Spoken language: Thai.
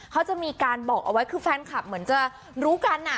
เขาจะมีการบอกเอาไว้คือแฟนคลับเหมือนจะรู้กัน